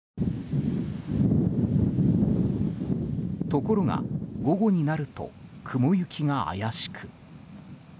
ところが、午後になると雲行きが怪しく。